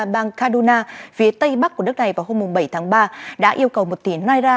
bang kaduna phía tây bắc của nước này vào hôm bảy tháng ba đã yêu cầu một tỉ nai ra